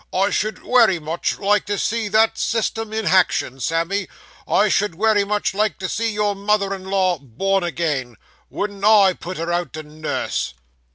I should wery much like to see that system in haction, Sammy. I should wery much like to see your mother in law born again. Wouldn't I put her out to nurse!